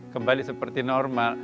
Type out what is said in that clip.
kembali seperti normal